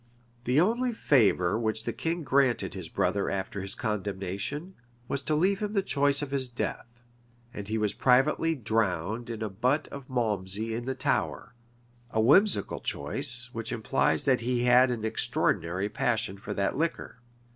The only favor which the king granted his brother after his condemnation, was to leave him the choice of his death; and he was privately drowned in a butt of malmsey in the Tower; a whimsical choice, which implies that he had an extraordinary passion for that liquor.